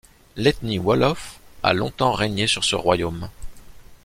L'ethnie wolof a longtemps régné sur ce royaume.